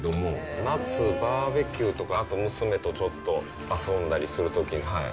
夏、バーベキューとか、娘とちょっと遊んだりするとき。